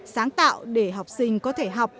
sáng tạo để học sinh có thể học